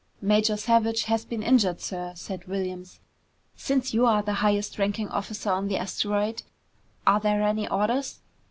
"Major Savage has been injured, sir," said Williams. "Since you are the highest ranking officer on the asteroid, are there any orders?"